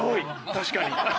確かに。